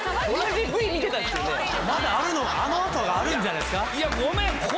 まだあの後があるんじゃないですか？